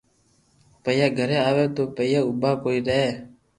پئيا گھري آوي تو پييئا اوبا ڪوئي رھي